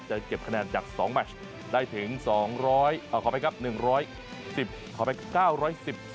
ก็จะเก็บคะแนนจาก๒แมนช์ได้ถึง๒๑๐ขอแม่กับ๙๑๐